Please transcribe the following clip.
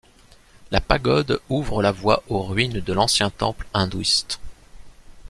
La pagode ouvre la voie aux ruines de l’ancien temple hindouiste.